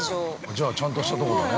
◆じゃあちゃんとしたところだね。